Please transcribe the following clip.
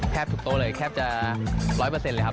ทุกโต๊ะเลยแทบจะ๑๐๐เลยครับ